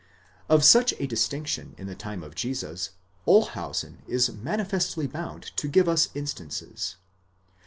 Of such a distinction in the time of Jesus, Olshau sen is manifestly bound to give us instances.